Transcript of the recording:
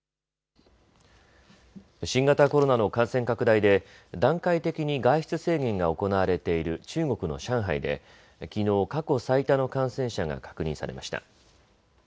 新型コロナの感染拡大で段階的に外出制限が行われている中国の上海できのう過去最多の感染者が確認されました。